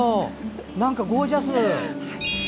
なんかゴージャス！